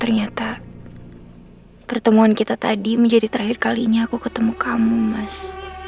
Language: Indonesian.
ternyata pertemuan kita tadi menjadi terakhir kalinya aku ketemu kamu mas